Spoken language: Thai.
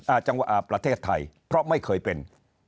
จังหวะอาประเทศไทยเพราะไม่เคยเป็น